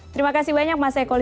terima kasih banyak mas eko